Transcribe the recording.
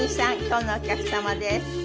今日のお客様です。